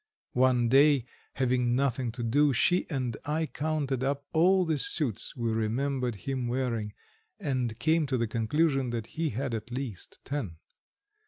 One day, having nothing to do, she and I counted up all the suits we remembered him wearing, and came to the conclusion that he had at least ten.